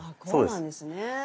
そうです。